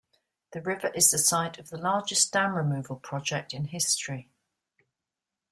The river is the site of the largest dam removal project in history.